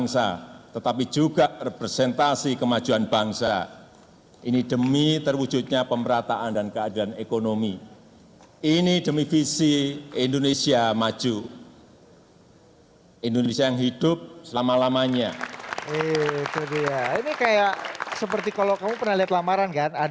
seperti kalau kamu pernah lihat lamaran kan